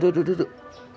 duduk duduk duduk